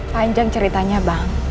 panjang ceritanya bang